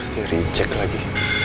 dia reject lagi